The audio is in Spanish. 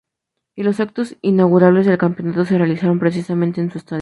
Y los actos inaugurales del campeonato se realizaron precisamente en su estadio.